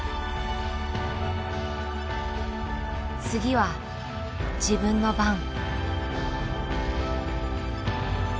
次は自分の番。